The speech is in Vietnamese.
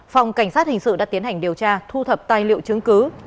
phòng cảnh sát hình sự đã tiến hành điều tra thu thập tài liệu chứng cứ